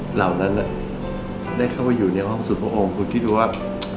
เหล่านั้นได้เข้าไปอยู่ในห้องสุดพระองค์คุณคิดดูว่า